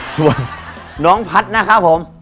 ส่วนน้องพัฒน์นะครับผม